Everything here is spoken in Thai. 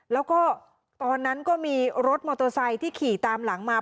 แล้วก็ตอนนั้นก็มีรถมอเตอร์ไซค์ที่ขี่ตามหลังมา